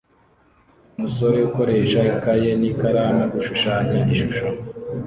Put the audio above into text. Umusore ukoresha ikaye n'ikaramu gushushanya ishusho